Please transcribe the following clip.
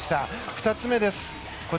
２つ目です。